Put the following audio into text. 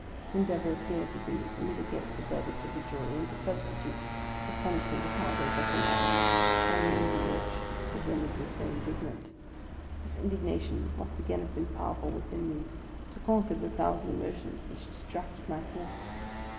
His endeavour appeared to be, to mitigate the verdict of the Jury, and to substitute the pun ishment of hard labour for life, — by naming which he had rendered me so indignant ! This indignation must again have been powerful within me to conquer the thousand emotions which distracted my thoughts.